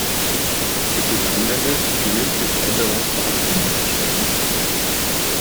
Gibt es Einwände, die mündliche Änderung zur Abstimmung zu stellen?